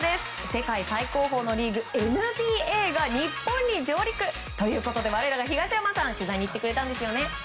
世界最高峰のリーグＮＢＡが日本に上陸。ということで我らが東山さんが取材に行ってくれたんですよね。